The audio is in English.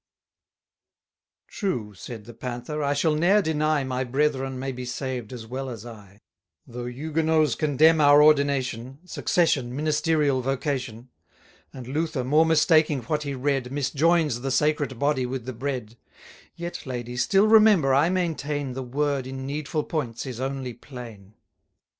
True, said the Panther, I shall ne'er deny My brethren may be saved as well as I: Though Huguenots condemn our ordination, Succession, ministerial vocation; 140 And Luther, more mistaking what he read, Misjoins the sacred body with the bread: Yet, lady, still remember, I maintain, The Word in needful points is only plain.